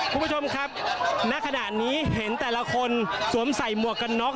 คุณผู้ชมครับณขณะนี้เห็นแต่ละคนสวมใส่หมวกกันน็อก